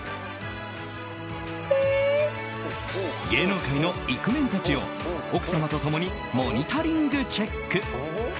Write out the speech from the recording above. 芸能界のイクメンたちを奥様と共にモニタリングチェック。